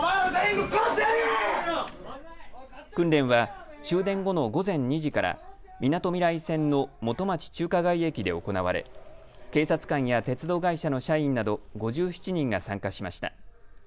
訓練は終電後の午前２時からみなとみらい線の元町・中華街駅で行われ警察官や鉄道会社の社員など５７人が参加しました。